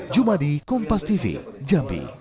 jum at di kompas tv jambi